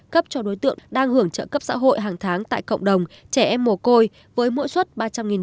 cấp cho đối tượng đang hưởng trợ cấp xã hội hàng tháng tại cộng đồng trẻ em mồ côi với mỗi suất ba trăm linh đồng